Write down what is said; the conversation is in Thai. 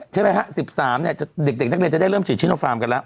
ใช่ไหมฮะ๑๓เนี่ยเด็กนักเรียนจะได้เริ่มฉีดชิโนฟาร์มกันแล้ว